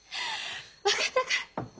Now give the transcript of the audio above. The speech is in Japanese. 分かったから。